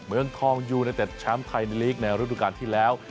เมืองทองยูเนเต็ดแชมป์ไทยลีกในฤดูการที่แล้ว